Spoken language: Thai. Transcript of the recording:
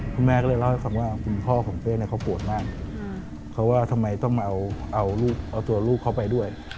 คุณแม่ก็เลยเล่าให้ฟังว่าคุณพ่อของเป้เนี่ยเขาปวดมากเขาว่าทำไมต้องเอาตัวลูกเขาไปด้วย